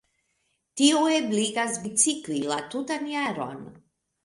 Tio ebligas bicikli la tutan jaron.